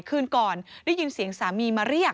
คืนก่อนได้ยินเสียงสามีมาเรียก